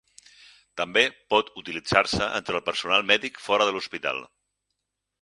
També pot utilitzar-se entre el personal mèdic fora de l'hospital.